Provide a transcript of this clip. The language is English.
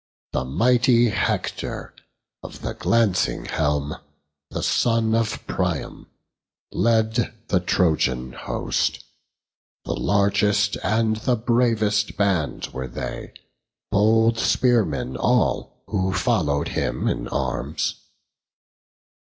The mighty Hector of the glancing helm, The son of Priam, led the Trojan host: The largest and the bravest band were they, Bold spearmen all, who follow'd him in arms.